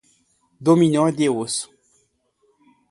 Dominó de osso